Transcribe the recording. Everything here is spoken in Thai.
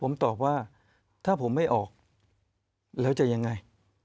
ผมตอบว่าถ้าผมไม่ออกแล้วจะยังไง